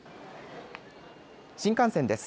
新幹線です。